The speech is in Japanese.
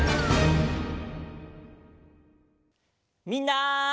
みんな！